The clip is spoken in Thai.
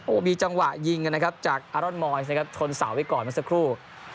มีจังหวะยิงกันนะครับจากอารอนมอยซนะครับชนเสาไว้ก่อนเมื่อสักครู่